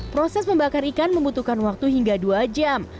proses membakar ikan membutuhkan waktu hingga dua jam